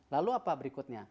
lalu apa berikutnya